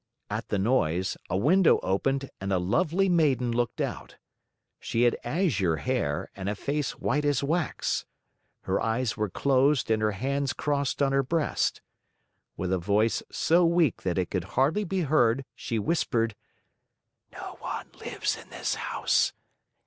At the noise, a window opened and a lovely maiden looked out. She had azure hair and a face white as wax. Her eyes were closed and her hands crossed on her breast. With a voice so weak that it hardly could be heard, she whispered: "No one lives in this house.